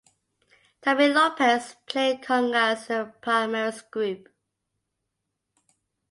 Tommy Lopez played congas in Palmieri's group.